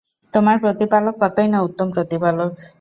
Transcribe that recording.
তোমার প্রতিপালক কতই না উত্তম প্রতিপালক।